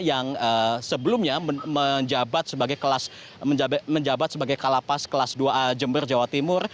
yang sebelumnya menjabat sebagai kalapas kelas dua a jember jawa timur